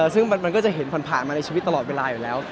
ซึ่งมันก็จะเห็นผ่านมาในชีวิตตลอดเวลาอยู่แล้ว